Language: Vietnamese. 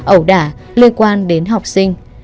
ẩu đả liên quan đến học sinh